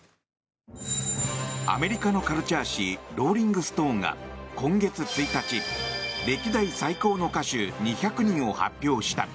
アメリカのカルチャー誌「ローリング・ストーン」が今月１日、歴代最高の歌手２００人を発表した。